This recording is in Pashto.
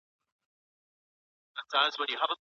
د ژوند بریالیتوب یوازي په ذهني ځواک پوري نه محدوديږي.